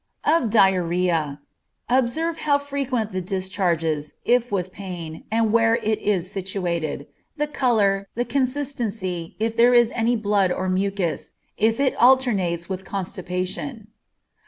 Of diarrhoea. Observe how frequent the discharges, if with pain, and where it is situated, the color, the consistency, if there is any blood or mucus, if it alternates with constipation.